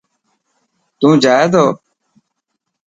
تو جائي تو؟